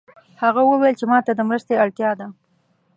هغې وویل چې ما ته د مرستې اړتیا ده